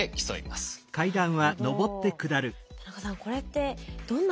田中さん